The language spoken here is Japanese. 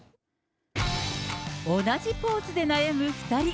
同じポーズで悩む２人。